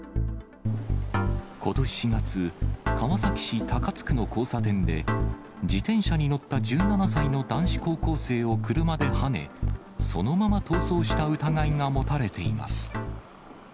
ことし４月、川崎市高津区の交差点で、自転車に乗った１７歳の男子高校生を車ではね、そのまま逃走した疑いが持たれています。